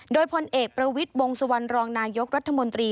โดยพลเอกประวิทย์วงสุวรรณรองนายกรัฐมนตรี